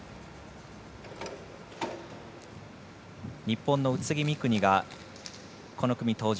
日本の宇津木美都がこの組登場。